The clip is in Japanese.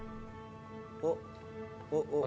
「おっおっおっおっ」